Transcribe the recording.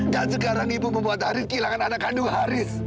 dan sekarang ibu membuat haris kehilangan anak kandung haris